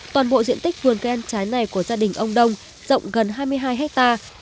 toàn bộ diện tích vườn khen trái này của gia đình ông đông rộng gần hai mươi hai hectare